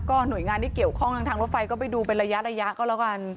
หน่วยงานที่เกี่ยวข้องทางรถไฟก็ไปดูเป็นระยะก็แล้วกัน